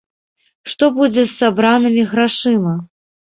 Што будзе з сабранымі грашыма?